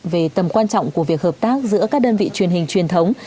về tầm quan trọng của việc hợp tác giữa các đơn vị truyền hình truyền thống